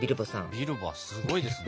ビルボはすごいですね。